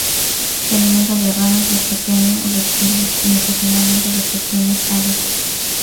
Se alimenta de ranas y pequeño reptiles y, ocasionalmente, de pequeñas aves.